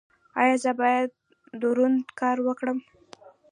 ایا زه باید دروند کار وکړم؟